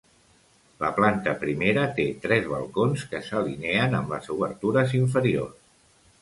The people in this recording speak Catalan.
La planta primera té tres balcons que s'alineen amb les obertures inferiors.